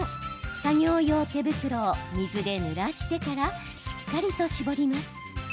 作業用手袋を水でぬらしてからしっかりと絞ります。